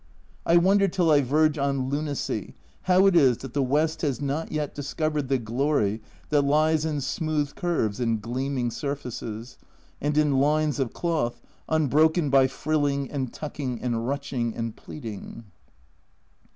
I wonder till I verge on lunacy how it is that the West has not yet discovered the glory that lies in smooth curves and gleaming surfaces, and in lines of cloth, unbroken by frilling and tucking and niching and pleating.